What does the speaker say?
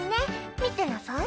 「見てなさい